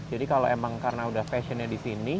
jadi kalau emang karena udah fashion nya di sini